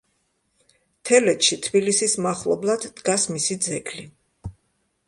თელეთში, თბილისის მახლობლად, დგას მისი ძეგლი.